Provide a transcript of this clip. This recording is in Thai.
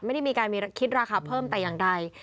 ไม่ได้มีการมีคิดราคาเพิ่มแต่อย่างใด